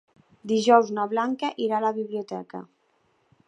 Dijous na Blanca irà a la biblioteca.